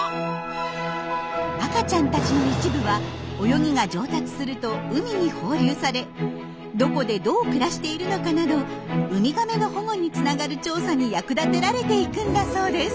赤ちゃんたちの一部は泳ぎが上達すると海に放流されどこでどう暮らしているのかなどウミガメの保護につながる調査に役立てられていくんだそうです。